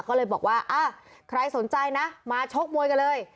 ก็เลยบอกว่าใครสนใจนะมาชกมวยกันเลย